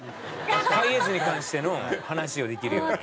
ハイエースに関しての話をできるように。